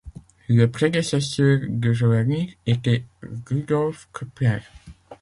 Le prédécesseur de Jauernig était Rudolf Köppler.